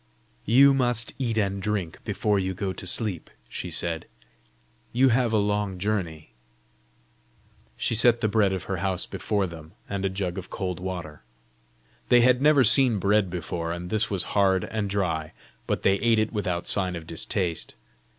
"You must eat and drink before you go to sleep," she said; "you have had a long journey!" She set the bread of her house before them, and a jug of cold water. They had never seen bread before, and this was hard and dry, but they ate it without sign of distaste.